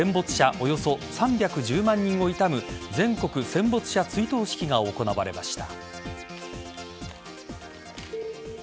およそ３１０万人を悼む全国戦没者追悼式が行われました。